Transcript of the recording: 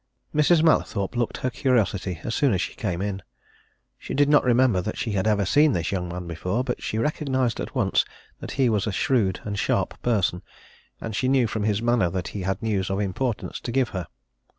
Mrs. Mallathorpe looked her curiosity as soon as she came in. She did not remember that she had ever seen this young man before, but she recognized at once that he was a shrewd and sharp person, and she knew from his manner that he had news of importance to give her.